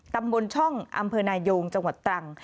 ตำบลช่องอำเภอนายงจังหวัดตรัง